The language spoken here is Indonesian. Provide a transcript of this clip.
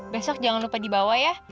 besok jangan lupa dibawa ya